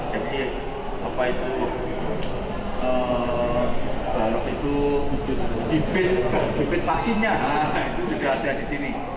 jadi apa itu balut itu dipit vaksinnya itu sudah ada di sini